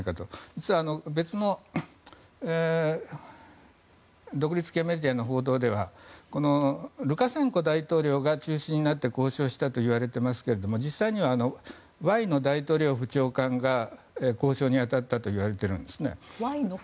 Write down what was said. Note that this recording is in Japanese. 実は別の独立系メディアの報道ではルカシェンコ大統領が中心になって交渉したといわれていますが実際にはワイノン大統領府長官が交渉に当たったといわれています。